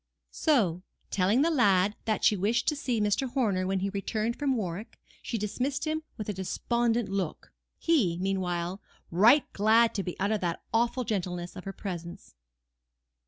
So, telling the lad that she wished to see Mr. Horner when he returned from Warwick, she dismissed him with a despondent look; he, meanwhile, right glad to be out of the awful gentleness of her presence.